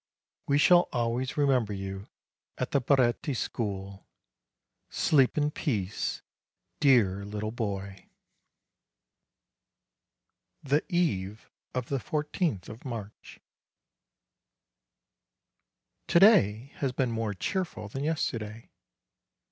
We shall always remember you at the Baretti School! Sleep in peace, dear little boy! THE EVE OF THE FOURTEENTH OF MARCH To day has been more cheerful than yesterday.